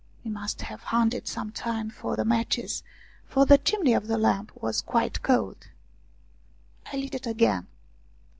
We must have hunted some time for the matches, for the chimney of the lamp was quite cold. I lit it again.